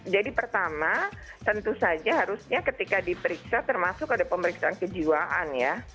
jadi pertama tentu saja harusnya ketika diperiksa termasuk ada pemeriksaan kejiwaan ya